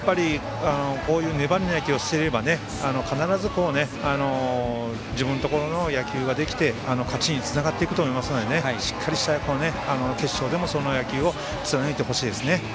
粘りの野球をしていれば必ず自分のところの野球ができて勝ちにつながっていくと思いますのでしっかり決勝でも、その野球を貫いてほしいですね。